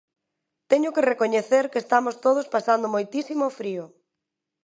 Teño que recoñecer que estamos todos pasando moitísimo frío.